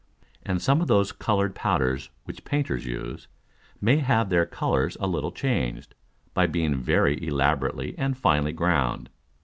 And some of those colour'd Powders which Painters use, may have their Colours a little changed, by being very elaborately and finely ground.